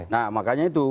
nah makanya itu